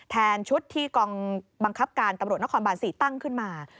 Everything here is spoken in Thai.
ชุดที่กองบังคับการตำรวจนครบาน๔ตั้งขึ้นมา